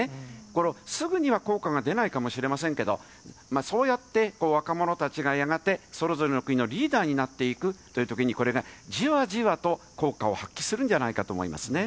この、すぐには効果は出ないかもしれませんけど、そうやって若者たちがやがて、それぞれの国のリーダーになっていくというときに、これね、じわじわと効果を発揮するんじゃないかと思いますね。